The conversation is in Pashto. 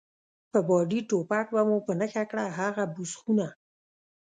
په بادي ټوپک به مو په نښه کړه، هغه بوس خونه.